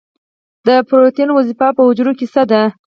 د پروټین دنده په حجره کې څه ده؟